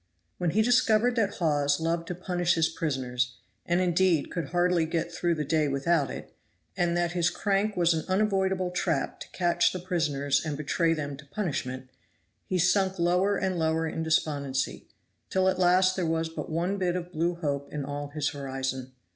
When he discovered that Hawes loved to punish his prisoners, and indeed could hardly get through the day without it, and that his crank was an unavoidable trap to catch the prisoners and betray them to punishment, he sunk lower and lower in despondency, till at last there was but one bit of blue hope in all his horizon.